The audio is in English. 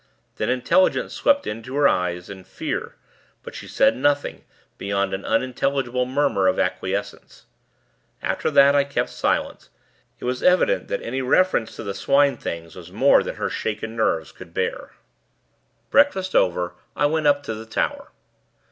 Then, intelligence swept into her eyes, and fear; but she said nothing, beyond an unintelligible murmur of acquiescence. After that, I kept silence; it was evident that any reference to the Swine things, was more than her shaken nerves could bear. Breakfast over, I went up to the tower.